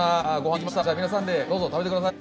じゃあ皆さんでどうぞ食べてください。